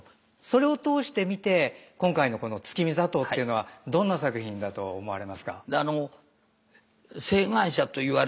それを通して見て今回のこの「月見座頭」っていうのはどんな作品だと思われますか？